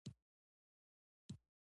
هلته د برېټانوي مجرمینو لېږدېدل بند شول.